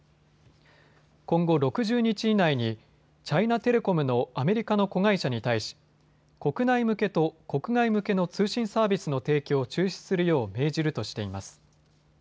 今後６０日以内にチャイナテレコムのアメリカの子会社に対し国内向けと国外向けの通信サービスの提供を中止するよう命じるとしています。